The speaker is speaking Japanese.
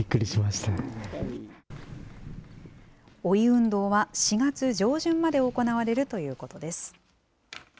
追い運動は、４月上旬まで行われるということです。